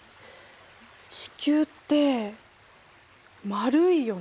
地球って丸いよね。